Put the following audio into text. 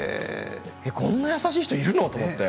こんなに優しい人いるのって。